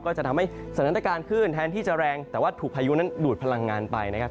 ก็จะทำให้สถานการณ์ขึ้นแทนที่จะแรงแต่ว่าถูกพายุนั้นดูดพลังงานไปนะครับ